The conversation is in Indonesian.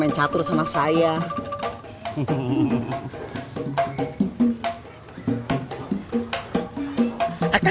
kenapa si emak marah marah